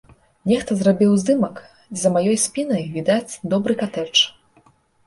Нехта зрабіў здымак, дзе за маёй спінай відаць добры катэдж.